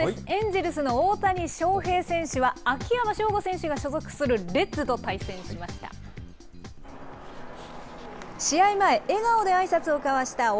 エンジェルスの大谷翔平選手は秋山翔吾選手が所属するレッズと対戦しました。